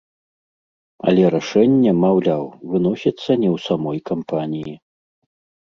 Але рашэнне, маўляў, выносіцца не ў самой кампаніі.